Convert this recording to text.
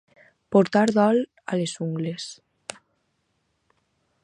Portar dol a les ungles.